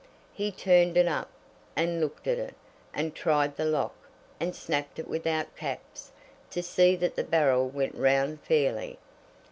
He turned it up, and looked at it, and tried the lock, and snapped it without caps, to see that the barrel went round fairly.